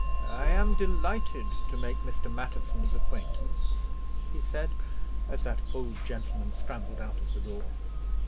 "I am delighted to make Mr. Matterson's acquaintance," he said, as that old gentleman scrambled out of the door.